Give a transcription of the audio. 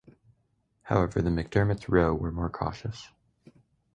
However, the MacDermots Roe were more cautious.